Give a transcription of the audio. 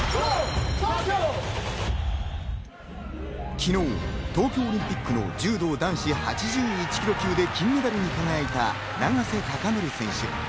昨日、東京オリンピックの柔道男子８１ｋｇ級で金メダルに輝いた永瀬貴規選手。